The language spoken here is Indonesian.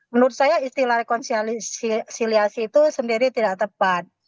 menurut saya istilah rekonsiliasi itu sendiri tidak tepat